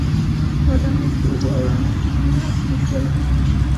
• ودانیو کې د اوبو او رڼا سیستمونه عصري شول.